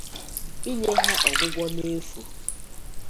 inye ha ọgwụgwọ n'efù